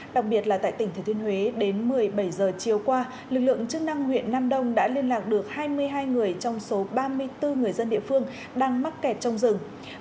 đặc biệt là tại tỉnh thừa thiên huế đến một mươi bảy h chiều qua lực lượng chức năng huyện nam đông đã liên lạc được hai mươi hai người trong số ba mươi bốn người dân địa phương đang mắc kẹt trong rừng